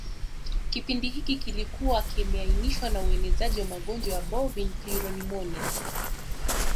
Kipindi hiki kilikuwa kimeainishwa na uenezi wa magonjwa ya bovin pleuropneumonia